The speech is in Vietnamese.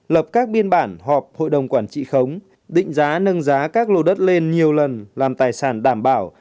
lập các biên bản họp hội đồng quản trị khống định giá nâng giá các lô đất lên nhiều lần làm tài sản đảm bảo